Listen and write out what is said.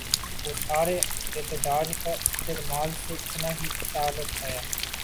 اس سارے احتجاج کا استدلال سے بس اتنا ہی تعلق ہے۔